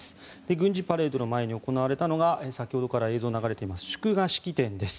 軍事パレードの前に行われたのが先ほどから映像も流れています祝賀式典です。